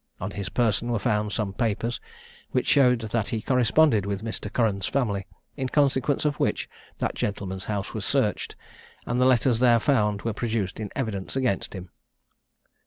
On his person were found some papers, which showed that he corresponded with Mr. Curran's family, in consequence of which that gentleman's house was searched, and the letters there found were produced in evidence against him.